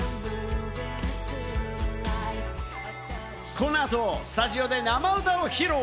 この後、スタジオで生歌を披露！